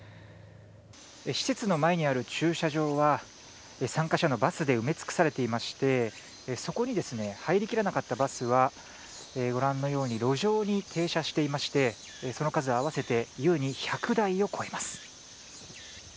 施設の前にある駐車場は参加者のバスで埋め尽くされていましてそこに入りきらなかったバスはご覧のように路上に停車していましてその数、合わせてゆうに１００台を超えています。